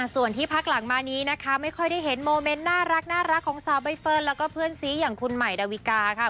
ส่วนที่พักหลังมานี้นะคะไม่ค่อยได้เห็นโมเมนต์น่ารักของสาวใบเฟิร์นแล้วก็เพื่อนซีอย่างคุณใหม่ดาวิกาค่ะ